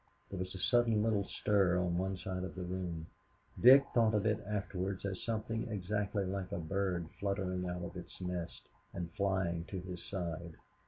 There was a sudden little stir on one side of the room. Dick thought of it afterwards as something exactly like a bird fluttering out of its nest, and flying to his side.